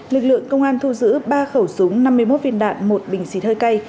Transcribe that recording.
lực lượng công an thu giữ ba khẩu súng năm mươi một viên đạn một bình xịt hơi cay